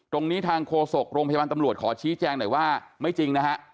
ตรงนี้ทางโฆษกโรงพยาบาลตำรวจขอชี้แจงหน่อยว่าไม่จริงนะฮะ